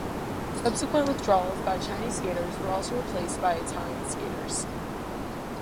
Subsequent withdrawals by Chinese skaters were also replaced by Italian skaters.